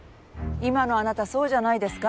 今のあなたそうじゃないですか？